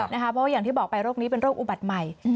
เพราะว่าอย่างที่บอกไปโรคนี้เป็นโรคอุบัติใหม่